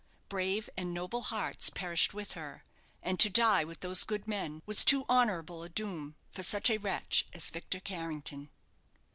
Brave and noble hearts perished with her, and to die with those good men was too honourable a doom for such a wretch as Victor Carrington.